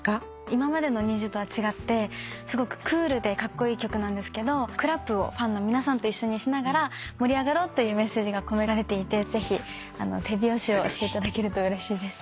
今までのＮｉｚｉＵとは違ってすごくクールでカッコイイ曲なんですけどクラップをファンの皆さんと一緒にしながら盛り上がろうというメッセージが込められていてぜひ手拍子をしていただけるとうれしいです。